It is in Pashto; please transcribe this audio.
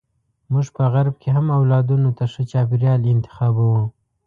موږ په غرب کې هم اولادونو ته ښه چاپیریال انتخابوو.